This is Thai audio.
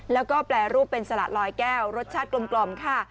แล้วก็แปรรูปเป็นสละลอยแก้วรสชาติกลมค่ะ